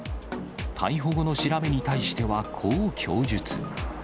逮捕後の調べに対しては、こう供述。